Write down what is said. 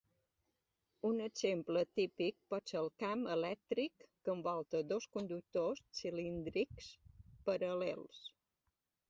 Un exemple típic pot ser el camp elèctric que envolta dos conductors cilíndrics paral·lels.